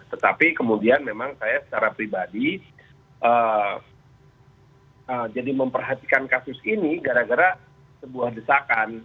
tetapi kemudian memang saya secara pribadi jadi memperhatikan kasus ini gara gara sebuah desakan